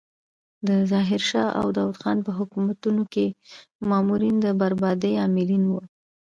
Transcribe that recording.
د ظاهر شاه او داود خان په حکومتونو کې مامورین د بربادۍ عاملین وو.